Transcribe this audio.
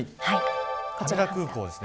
羽田空港です。